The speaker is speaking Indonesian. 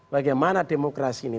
bagaimana demokrasi ini